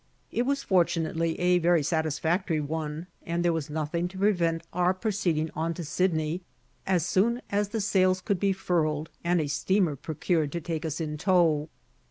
It was fortunately, a very satisfactory one, and there was nothing to prevent our proceeding on to Sydney as soon as the sails could be furled, and a steamer procured to take us in tow.